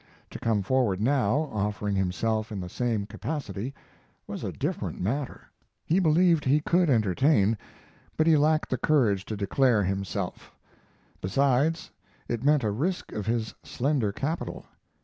To come forward now, offering himself in the same capacity, was a different matter. He believed he could entertain, but he lacked the courage to declare himself; besides, it meant a risk of his slender capital.